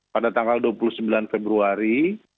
pada tanggal dua puluh sembilan februari